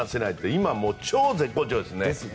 今、超絶好調ですね。